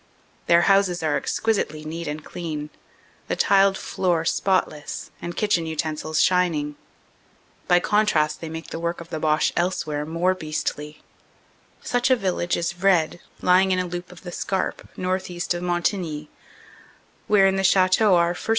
Their houses are exquisitely neat and clean, the tiled floor spotless and kitchen utensils shining. By contrast they make the work of the Boche else where more beastly. Such a village is Vred, lying in a loop of the Scarpe, northeast of Montigny, where in the chateau our 1st.